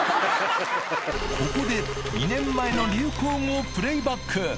ここで２年前の流行語をプレイバック。